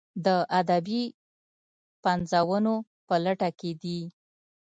د ادبي پنځونو په لټه کې دي.